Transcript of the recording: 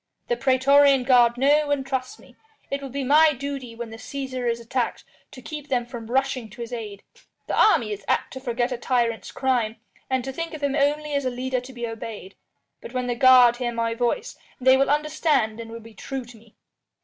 The praetorian guard know and trust me. It will be my duty when the Cæsar is attacked to keep them from rushing to his aid. The army is apt to forget a tyrant's crime, and to think of him only as a leader to be obeyed. But when the guard hear my voice, they will understand and will be true to me."